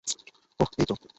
অহ, এইতো!